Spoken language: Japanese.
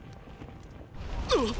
あっ！